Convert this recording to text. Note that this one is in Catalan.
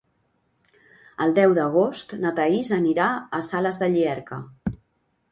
El deu d'agost na Thaís anirà a Sales de Llierca.